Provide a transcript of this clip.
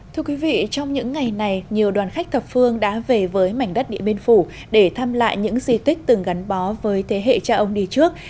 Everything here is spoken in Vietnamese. thưa quý vị trong những ngày này nhiều đoàn khách thập phương đã về với mảnh đất địa biên phủ để thăm lại những di tích từng gắn bó với thế hệ cha ông đi trước